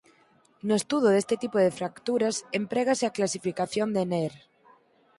No estudo deste tipo de fracturas emprégase a clasificación de Neer.